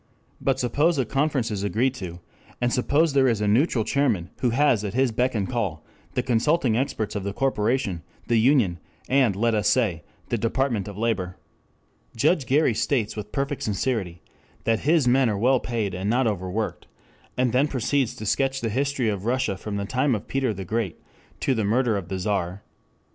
But suppose a conference is agreed to, and suppose there is a neutral chairman who has at his beck and call the consulting experts of the corporation, the union, and, let us say, the Department of Labor. Judge Gary states with perfect sincerity that his men are well paid and not overworked, and then proceeds to sketch the history of Russia from the time of Peter the Great to the murder of the Czar. Mr.